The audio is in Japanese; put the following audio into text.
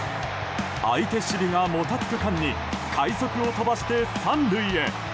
相手守備がもたつく間に快足を飛ばして３塁へ。